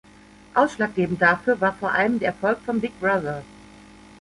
Ausschlaggebend dafür war vor allem der Erfolg von "Big Brother".